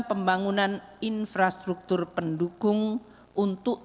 pembangunan infrastruktur pendukung untuk